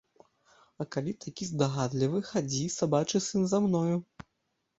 А калі такі здагадлівы, хадзі, сабачы сын, за мною!